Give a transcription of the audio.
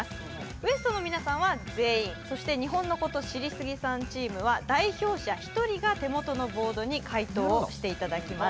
ＷＥＳＴの皆さんは全員そして日本のこと知りスギさんチームは代表者１人が手元のボードに解答をしていただきます